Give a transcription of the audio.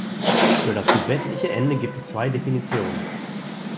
Für das südwestliche Ende gibt es zwei Definitionen.